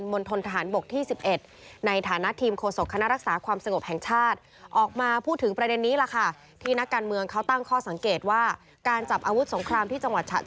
พนตรีปียะพงกลิ่นพันผู้บัญชาการมนตรฐานบกที่๑๑